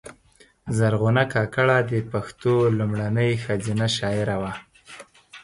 زرغونه کاکړه د پښتو لومړۍ ښځینه شاعره وه